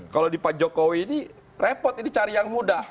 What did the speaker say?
kalau di pak jokowi ini repot cari yang muda